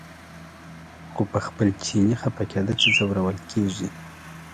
خو په خپل چیني خپه کېده چې ځورول کېږي.